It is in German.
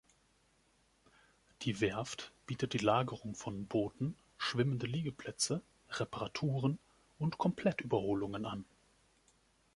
Die Werft bietet die Lagerung von Booten, schwimmende Liegeplätze, Reparaturen und Komplettüberholungen an.